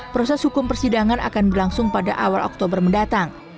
proses hukum persidangan akan berlangsung pada awal oktober mendatang